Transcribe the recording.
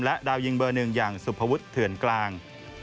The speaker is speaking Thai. และดาวยิงเบอร์๑อย่างสุภวุธเถื่อนกลาง